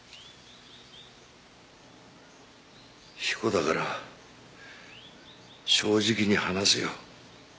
彦だから正直に話すよ。